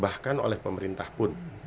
bahkan oleh pemerintah pun